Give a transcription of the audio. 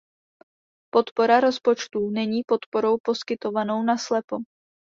Podpora rozpočtu není podporou poskytovanou naslepo.